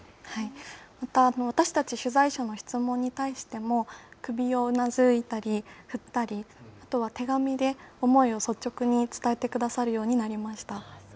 また私たち取材者の質問に対しても、首をうなずいたり、振ったり、あとは手紙で思いを率直に伝えてくださるようになりました。